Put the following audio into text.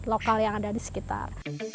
lokal yang ada disekitar